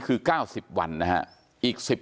คือ๙๐วันนะฮะ